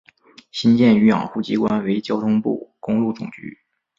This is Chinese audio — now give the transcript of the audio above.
新建与养护机关为交通部公路总局。